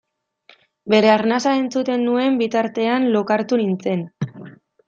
Bere arnasa entzuten nuen bitartean lokartu nintzen.